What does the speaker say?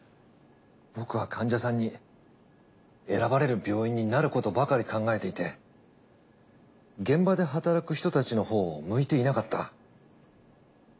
僕は患者さんに選ばれる病院になることばかり考えていて現場で働く人たちのほうを向いていなかった。